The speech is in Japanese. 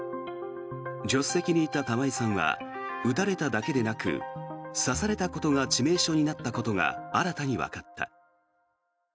助手席にいた玉井さんは撃たれただけでなく刺されたことが致命傷になったことが新たにわかった。